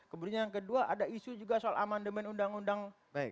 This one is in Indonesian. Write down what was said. kemudian yang kedua ada isu juga soal amendement undang undang empat puluh lima